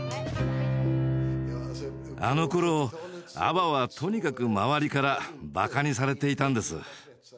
あのころＡＢＢＡはとにかく周りからバカにされていたんです。